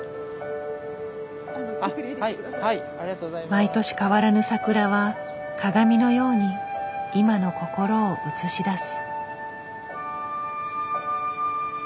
毎年変わらぬ桜は鏡のように今の心を映し出す。